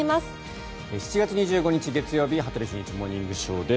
７月２５日、月曜日「羽鳥慎一モーニングショー」。